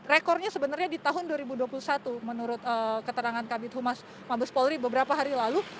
rekornya sebenarnya di tahun dua ribu dua puluh satu menurut keterangan kabit humas mabes polri beberapa hari lalu